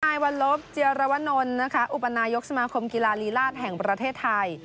นายวัลลบเจียรวนลอุปนายกสมาคมกีฬาลีลาศแห่งประเทศไทย